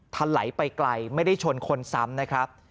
ถลายไปไกลไม่ได้ชนคนซ้ำนะครับ